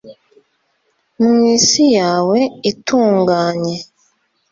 mwisi yawe itunganye